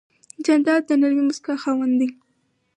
جانداد د نرمې موسکا خاوند دی.